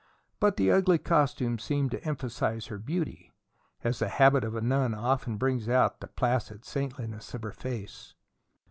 But the ugly costume seemed to emphasize her beauty, as the habit of a nun often brings out the placid saintliness of her face.